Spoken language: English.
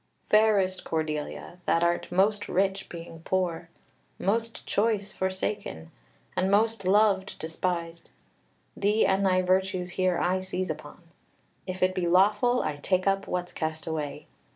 "Fairest Cordelia, that art most rich, being poor; most choice, forsaken; and most loved, despised! Thee and thy virtues here I seize upon; if it be lawful, I take up what's cast away.